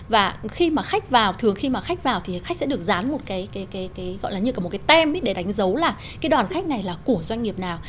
và khi mà khách vào thường khi mà khách vào thì khách sẽ được dán một cái gọi là như cả một cái tem để đánh dấu là cái đòn khách này là của doanh nghiệp nào